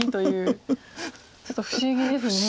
ちょっと不思議ですね。